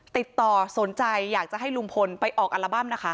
ติดต่อสนใจอยากจะให้ลุงพลไปออกอัลบั้มนะคะ